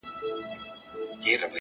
• زلفي يې زما پر سر سايه جوړوي؛